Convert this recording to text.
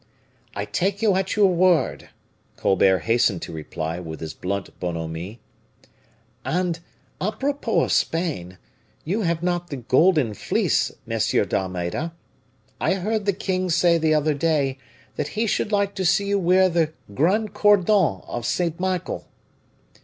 "I take you at your word," Colbert hastened to reply with his blunt bonhomie. "And, a propos of Spain, you have not the 'Golden Fleece,' Monsieur d'Almeda. I heard the king say the other day that he should like to see you wear the grand cordon of St. Michael."